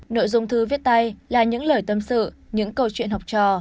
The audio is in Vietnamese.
nội dung thư viết tay là những lời tâm sự những câu chuyện học trò